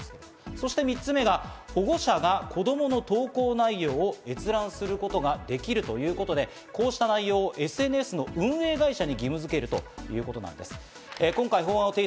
そして保護者が子供の投稿内容を閲覧することができるということで、こうした内容をＳＮＳの運営会社に義務づけるというものです。